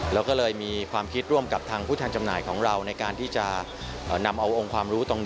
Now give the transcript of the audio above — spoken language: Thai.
เราก็เลยมีความคิดร่วมกับทางผู้ทางจำหน่ายของเรา